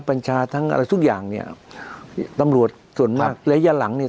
บัญชาทั้งอะไรทุกอย่างเนี่ยตำรวจส่วนมากระยะหลังเนี่ย